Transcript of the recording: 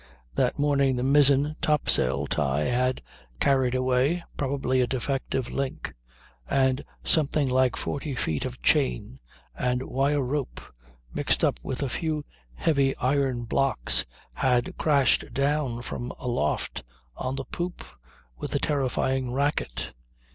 That morning the mizzen topsail tie had carried away (probably a defective link) and something like forty feet of chain and wire rope, mixed up with a few heavy iron blocks, had crashed down from aloft on the poop with a terrifying racket.